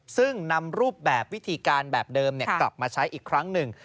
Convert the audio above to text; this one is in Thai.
ซึ่งนำรูปแบบวิธีการแบบเดิมกลับมาใช้อีกครั้งหนึ่ง